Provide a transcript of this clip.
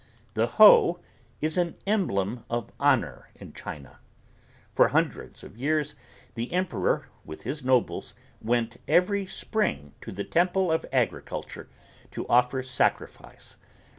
The hoe is an emblem of honor in China. For hundreds of years the Emperor with his nobles went every spring to the Temple of Agriculture to offer sacrifice.